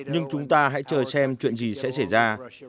nhưng chúng ta hãy chờ xem chuyện gì sẽ xảy ra